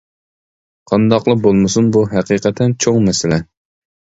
قانداقلا بولمىسۇن بۇ ھەقىقەتەن چوڭ مەسىلە.